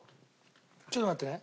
ちょっと待ってね。